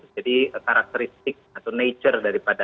jadi karakteristik atau nature daripada